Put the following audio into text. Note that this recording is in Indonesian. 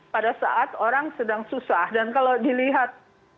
pada saat orang sedang susah dan kalau dilihat